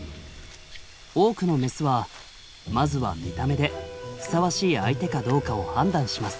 多くのメスはまずは見た目でふさわしい相手かどうかを判断します。